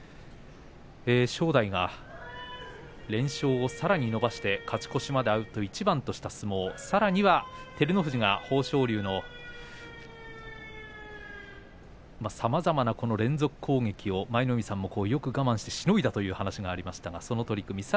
正代が連勝をさらに伸ばして勝ち越しまであと一番とした相撲照ノ富士が豊昇龍のさまざまな連続攻撃を舞の海さんはよく辛抱したという話がありました。